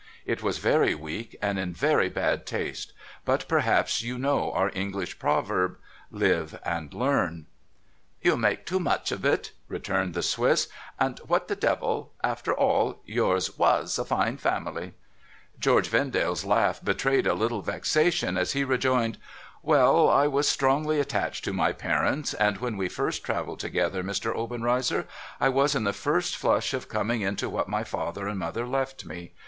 It was very weak, and in very bad taste ; but perhaps you know our English proverb, " Live and Learn." '' You make too much of it,' returned the Swiss. ' And ^\ hat the devil I After all, yours was a fine family.' George Vendale's laugh betrayed a little vexation as he rejoined :' \Vell ! I was strongly attached to my parents, and when we first travelled together, Mr. Obenreizer, I was in the first flush of coming into what my father and mother left me.